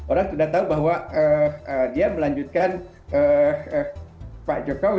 orang sudah tahu bahwa dia melanjutkan pak jokowi